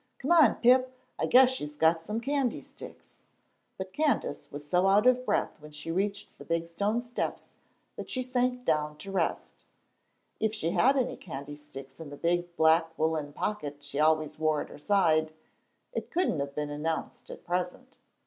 "Come on, Pip, I guess she's got some candy sticks." But Candace was so out of breath when she reached the big stone steps that she sank down to rest. If she had any candy sticks in the big black woollen pocket she always wore at her side, it couldn't have been announced at present.